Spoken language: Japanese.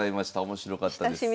面白かったです。